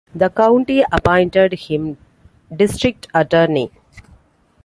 The county appointed him district attorney.